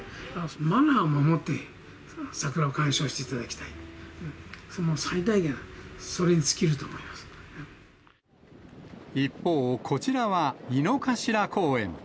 マナーを守って、桜を観賞していただきたい、もう最大限、それに尽きると思い一方、こちらは井の頭公園。